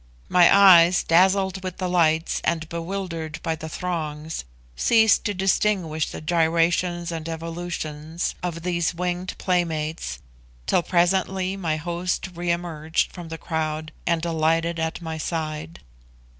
My eyes, dazzled with the lights and bewildered by the throngs, ceased to distinguish the gyrations and evolutions of these winged playmates, till presently my host re emerged from the crowd and alighted at my side.